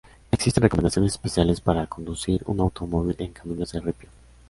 Existen recomendaciones especiales para conducir un automóvil en caminos de ripio.